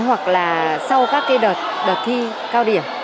hoặc là sau các cái đợt thi cao điểm